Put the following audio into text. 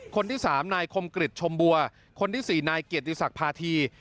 คนที่๓นายคมกริจชมบัวคนที่๔นายเกียรติศักดิ์พาธี